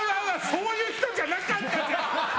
そういう人じゃなかったじゃん！